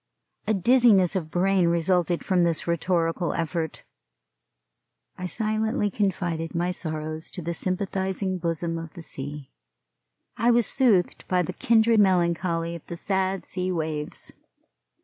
A dizziness of brain resulted from this rhetorical effort. I silently confided my sorrows to the sympathizing bosom of the sea. I was soothed by the kindred melancholy of the sad sea waves.